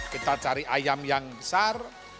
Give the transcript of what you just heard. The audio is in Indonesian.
kita cari ayam yang besar